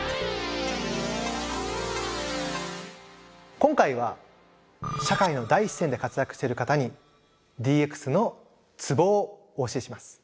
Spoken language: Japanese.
今回は社会の第一線で活躍している方にＤＸのツボをお教えします。